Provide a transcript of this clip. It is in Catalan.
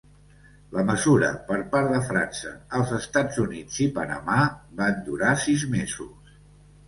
La mesura, per part de França, els Estats Units i Panamà, van durar sis mesos.